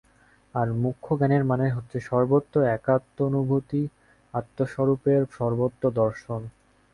আর মুখ্য জ্ঞানের মানে হচ্ছে সর্বত্র একত্বানুভূতি, আত্মস্বরূপের সর্বত্র দর্শন।